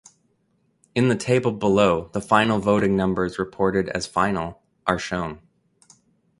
In the table below the final voting numbers reported as final are shown.